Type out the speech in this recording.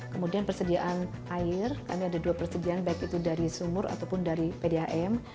kemudian persediaan air kami ada dua persediaan baik itu dari sumur ataupun dari pdam